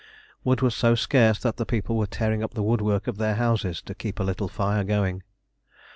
Wood was so scarce that people were tearing up the woodwork of their houses to keep a little fire going.